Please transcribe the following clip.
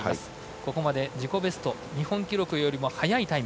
ここまで自己ベスト日本記録よりも速いタイム。